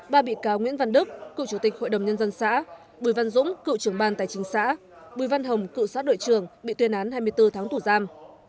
ba bị cáo nguyễn văn đức cựu chủ tịch hội đồng nhân dân xã bùi văn dũng cựu trưởng ban tài chính xã bùi văn hồng cựu xã đội trưởng bị tuyên án hai mươi bốn tháng tù giam